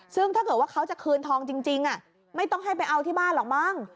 ซึ่งถ้าเกิดว่าเขาจะคืนทองจริงไม่ต้องให้ไปเอาที่บ้านหรอกมั้ง